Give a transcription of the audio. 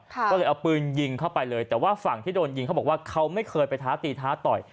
ก็เลยเอาปืนยิงเข้าไปเลยแต่ว่าฝั่งที่โดนยิงเขาบอกว่าเขาไม่เคยไปท้าตีท้าต่อย